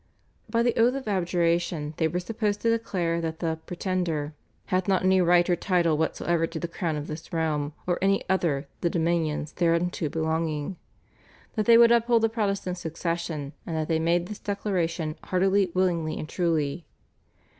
By the Oath of Abjuration they were supposed to declare that the Pretender "hath not any right or title whatsoever to the crown of this realm or any other the dominions thereunto belonging," that they would uphold the Protestant succession, and that they made this declaration "heartily, willingly, and truly."